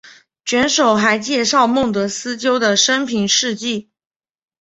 卷首还介绍孟德斯鸠的生平事迹。